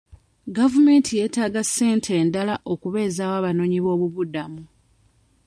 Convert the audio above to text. Gavumenti yeetaaga ssente endala okubeezaawo abanoonyi b'obubuddamu.